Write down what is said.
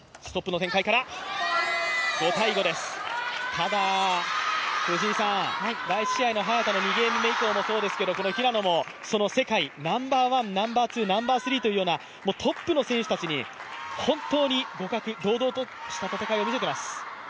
ただ、第１試合の早田の２ゲーム目以降もそうですけど平野も世界ナンバーワン、ナンバーツー、ナンバースリーというようなトップの選手たちに本当に互角、堂々とした戦いを見せています。